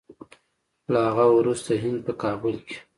له هغه وروسته هند په کابل کې